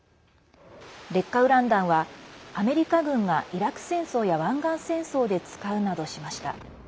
劣化ウラン弾はアメリカ軍がイラク戦争や湾岸戦争で使うなどしました。